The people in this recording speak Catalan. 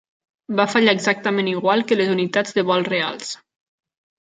Va fallar exactament igual que les unitats de vol reals.